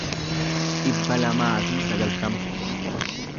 dhibba lamaa fi sagaltama